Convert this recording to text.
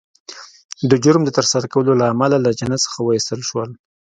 د جرم د ترسره کولو له امله له جنت څخه وایستل شول